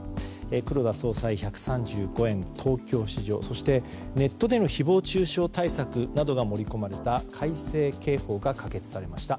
黒田総裁、１３５円、東京市場そしてネットでの誹謗中傷などが盛り込まれた改正刑法が可決されました。